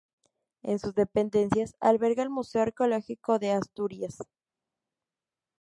En sus dependencias alberga el Museo Arqueológico de Asturias.